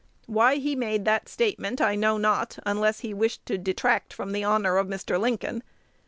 Why he made that statement I know not, unless he wished to detract from the honor of Mr. Lincoln.